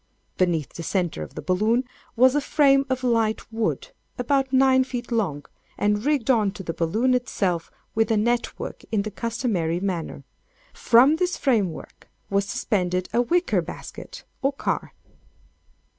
Beneath the centre of the balloon, was a frame of light wood, about nine feet long, and rigged on to the balloon itself with a network in the customary manner. From this framework was suspended a wicker basket or car.